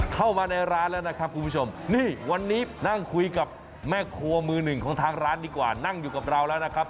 เข้ามาในร้านแล้วนะครับคุณผู้ชมนี่วันนี้นั่งคุยกับแม่ครัวมือหนึ่งของทางร้านดีกว่านั่งอยู่กับเราแล้วนะครับ